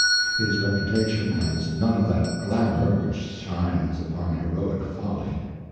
His reputation has none of that glamour which shines upon heroic folly.